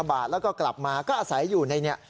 พระขู่คนที่เข้าไปคุยกับพระรูปนี้